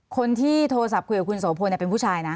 คนที่โทรศัพท์คุยกับคุณโสพลเป็นผู้ชายนะ